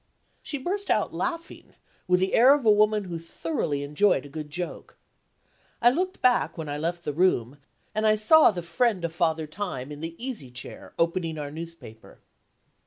She burst out laughing, with the air of a woman who thoroughly enjoyed a good joke. I looked back when I left the room, and saw the friend of Father Time in the easy chair opening our newspaper.